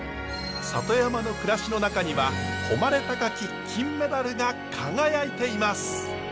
里山の暮らしの中には誉れ高き金メダルが輝いています！